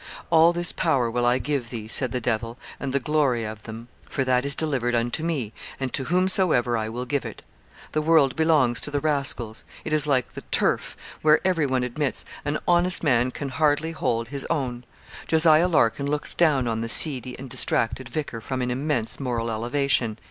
'All this power will I give thee,' said the Devil, 'and the glory of them; for that is delivered unto me, and to whomsoever I will I give it.' The world belongs to the rascals. It is like 'the turf,' where, everyone admits, an honest man can hardly hold his own. Jos. Larkin looked down on the seedy and distracted vicar from an immense moral elevation.